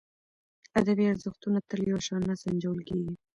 ادبي ارزښتونه تل یو شان نه سنجول کېږي.